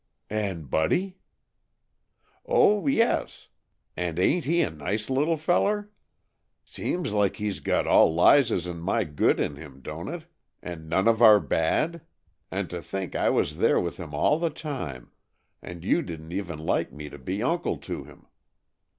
"And Buddy?" "Oh, yes! And ain't he a nice little feller? Seems like he's got all Lize's and my good in him, don't it, and none of our bad? And to think I was there with him all the time, and you didn't even like me to be uncle to him!